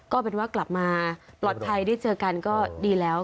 ก็เป็นว่ากลับมาปลอดภัยได้เจอกันก็ดีแล้ว